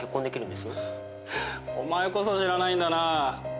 お前こそ知らないんだなぁ。